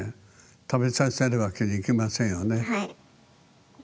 食べさせるわけにいきませんよね。